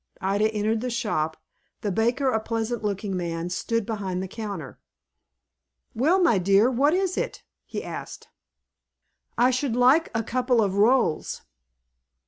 Ida entered the shop. The baker, a pleasant looking man, stood behind the counter. "Well, my dear, what is it?" he asked. "I should like a couple of rolls."